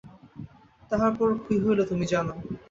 তাহার পর কী হইল তুমি জান।